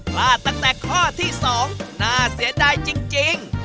พลาดตั้งแต่ข้อที่๒น่าเสียดายจริง